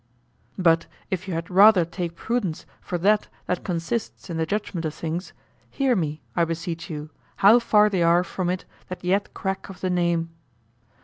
But if you had rather take prudence for that that consists in the judgment of things, hear me, I beseech you, how far they are from it that yet crack of the name.